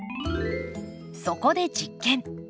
そこで実験！